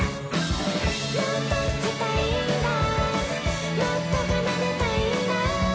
「もっと弾きたいんだもっと奏でたいんだ」